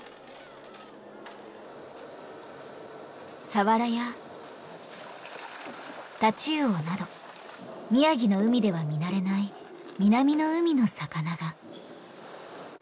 サワラやタチウオなど宮城の海では見慣れない南の海の魚が。